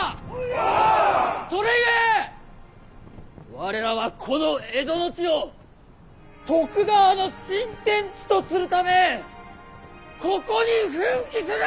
それゆえ我らはこの蝦夷の地を徳川の新天地とするためここに奮起する！